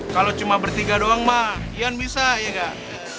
kalau cuma bertiga doang mah ian bisa ya gak